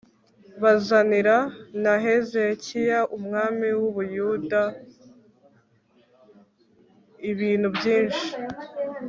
bazanira na hezekiya umwami w ' buyuda ibintu byinshi